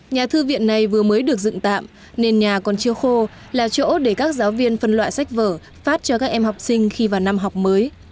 nhà thư viện này vừa mới được dựng tạm nền nhà còn chưa khô là chỗ để các giáo viên phân loại sách vở phát cho các em học sinh khi vào năm học mới